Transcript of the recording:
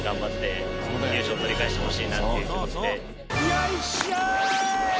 よいしょい！